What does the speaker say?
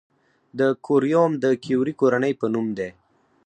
د کوریوم د کیوري کورنۍ په نوم دی.